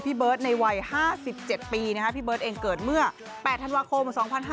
เบิร์ตในวัย๕๗ปีพี่เบิร์ตเองเกิดเมื่อ๘ธันวาคม๒๕๕๙